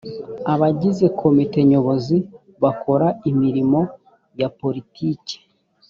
abagize komite nyobozi bakora imirimo ya politiki